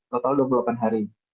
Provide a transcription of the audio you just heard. total dua puluh delapan hari